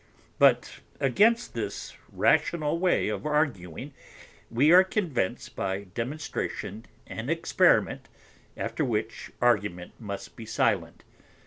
But against this rational way of arguing, we are convinced by Demonstration and Experiment, after which Argument must be silent.